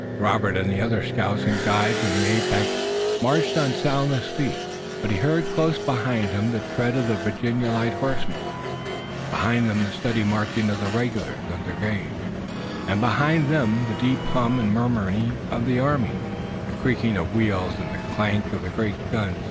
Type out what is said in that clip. Robert and the other scouts and guides in the apex marched on soundless feet, but he heard close behind him the tread of the Virginia light horsemen, behind them the steady march of the regulars under Gage, and behind them the deep hum and murmur of the army, the creaking of wheels and the clank of the great guns.